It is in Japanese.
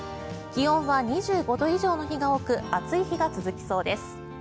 気温は２５度以上の日が多く暑い日が続きそうです。